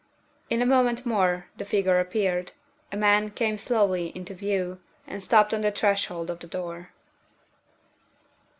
In a moment more the figure appeared. A man came slowly into view, and stopped on the threshold of the door.